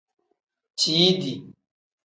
Ciidi.